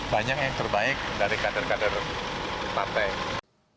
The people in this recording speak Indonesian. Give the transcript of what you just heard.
banyak yang terbaik dari kadir kadir partai